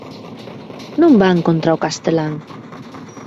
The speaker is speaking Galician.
Non van contra o castelán